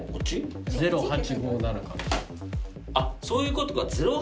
あっそういうことか。